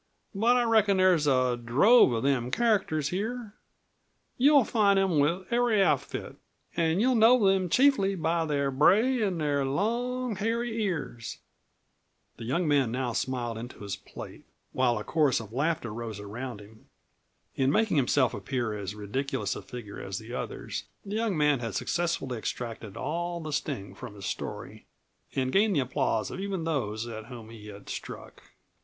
"But I reckon there's a drove of them characters here. You'll find them with every outfit, an' you'll know them chiefly by their bray an' their long, hairy ears." The young man now smiled into his plate, while a chorus of laughter rose around him. In making himself appear as ridiculous a figure as the others, the young man had successfully extracted all the sting from his story and gained the applause of even those at whom he had struck.